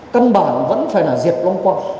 căn bản vẫn phải là diệt lông qua